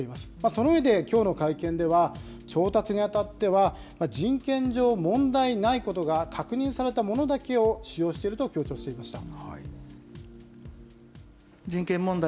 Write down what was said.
その上で、きょうの会見では調達にあたっては、人権上問題ないことが確認されたものだけを使用していると強調していました。